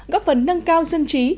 góp phần nâng cao dân trí